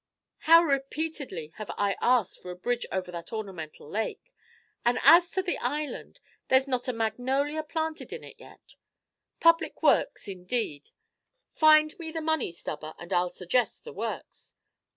How repeatedly have I asked for a bridge over that ornamental lake; and as to the island, there's not a magnolia planted in it yet. Public works, indeed; find me the money, Stubber, and I 'll suggest the works.